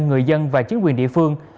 người dân và chính quyền địa phương